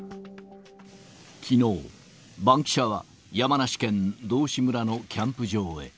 きのう、バンキシャは山梨県道志村のキャンプ場へ。